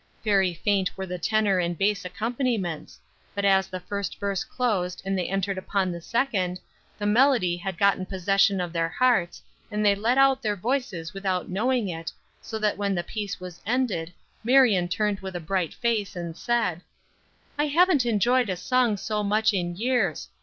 Very faint were the tenor and bass accompaniments; but as the first verse closed and they entered upon the second, the melody had gotten possession of their hearts, and they let out their voices without knowing it, so that when the piece was ended, Marion turned with a bright face, and said: "I haven't enjoyed a song so much in years.